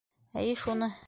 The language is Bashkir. Әйе, шуны...